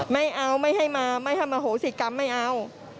ไม่เอาไม่ให้มาไม่ให้มาโหสิกรรมไม่เอา